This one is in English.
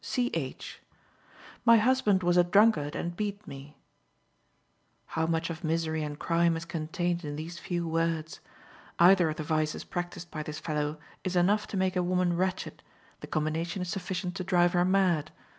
C. H.: "My husband was a drunkard, and beat me." How much of misery and crime is contained in these few words! Either of the vices practiced by this fellow is enough to make a woman wretched; the combination is sufficient to drive her mad.